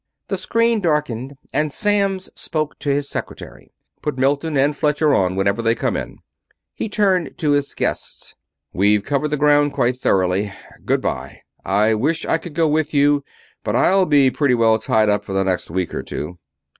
The screen darkened and Samms spoke to his secretary. "Put Milton and Fletcher on whenever they come in." He turned to his guests. "We've covered the ground quite thoroughly. Goodbye I wish I could go with you, but I'll be pretty well tied up for the next week or two."